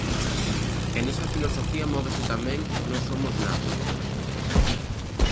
E nesa filosofía móvese tamén 'No somos nada'.